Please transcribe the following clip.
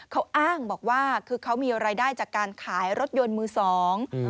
เขาอ้างบอกว่าคือเขามีรายได้จากการขายรถยนต์มือสอง